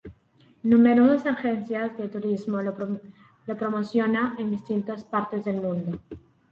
Numerosas agencias de turismo lo promocionan en distintas partes del mundo.